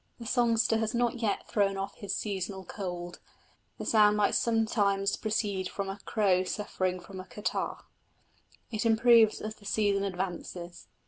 The songster has not yet thrown off his seasonal cold; the sound might sometimes proceed from a crow suffering from a catarrh. It improves as the season advances.